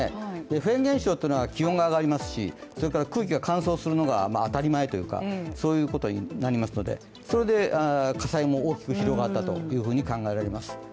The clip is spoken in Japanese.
フェーン現象っていうのは気温が上がりますし空気が乾燥するのが当たり前というか、そういうことになりますので、それで火災も大きく広がったと考えられます。